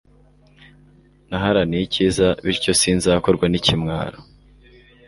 naharaniye icyiza, bityo sinzakorwa n'ikimwaro